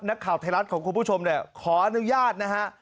นักข่าวไทยรัฐของคุณผู้ชมเนี่ยขออนุญาตนะฮะ